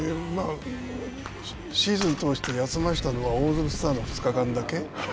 シーズン通して休ませたのはオールスターの２日間だけ。